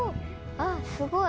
あっすごい！